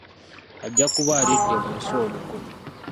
ajja kuba alidde mu nsi olukwe.